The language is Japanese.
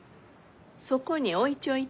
そこに置いちょいて。